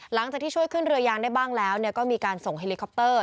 หลังจากที่ช่วยขึ้นเรือยางได้บ้างแล้วก็มีการส่งเฮลิคอปเตอร์